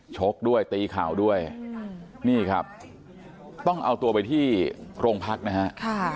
ชกด้วยตีเข่าด้วยนี่ครับต้องเอาตัวไปที่โรงพักนะฮะ